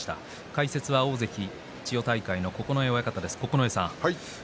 解説は大関千代大海の九重親方です。